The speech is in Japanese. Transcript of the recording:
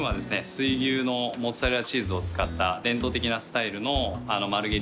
水牛のモッツァレラチーズを使った伝統的なスタイルのマルゲリータでございますね。